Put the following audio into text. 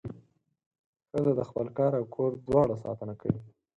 ښځه د خپل کار او کور دواړو ساتنه کوي.